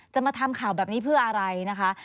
มาทำข่าวแบบนี้เพื่ออะไรนะคะ